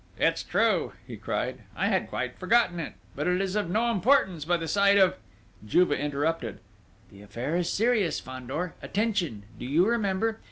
"It's true!" he cried. "I had quite forgotten it!... But it is of no importance by the side of ..." Juve interrupted. "The affair is serious, Fandor, attention!... Do you remember?